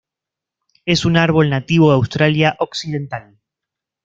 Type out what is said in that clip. Es un árbol nativo de Australia Occidental.